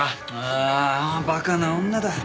ああ馬鹿な女だ。